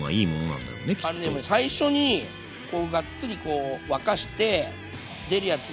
あのね最初にがっつり沸かして出るやつ